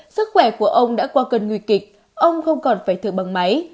sức khỏe của ông đã qua cơn nguy kịch ông không còn phải thở bằng máy